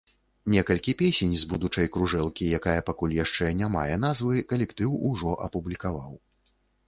Некалькі песень з будучай кружэлкі, якая пакуль яшчэ не мае назвы, калектыў ужо апублікаваў.